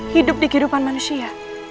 hidup di kehidupan manusia